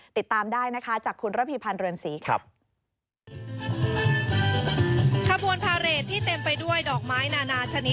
ติดตามได้นะคะจากคุณระพีพันธ์เรือนศรี